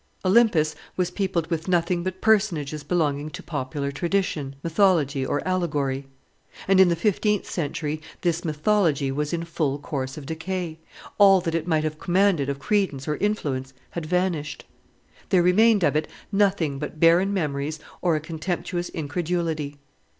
Olympus was peopled with nothing but personages belonging to popular tradition, mythology, or allegory; and in the fifteenth century this mythology was in full course of decay; all that it might have commanded of credence or influence had vanished; there remained of it nothing but barren memories or a contemptuous incredulity.